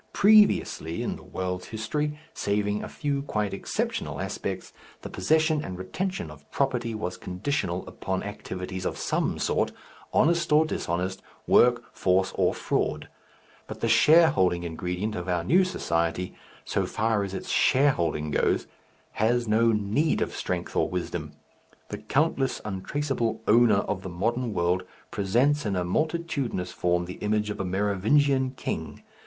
Previously in the world's history, saving a few quite exceptional aspects, the possession and retention of property was conditional upon activities of some sort, honest or dishonest, work, force, or fraud. But the shareholding ingredient of our new society, so far as its shareholding goes, has no need of strength or wisdom; the countless untraceable Owner of the modern world presents in a multitudinous form the image of a Merovingian king.